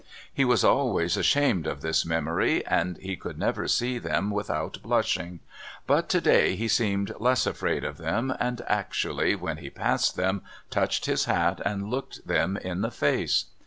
He was always ashamed of this memory, and he could never see them without blushing; but, to day, he seemed less afraid of them, and actually, when he passed them, touched his hat and looked them in the face.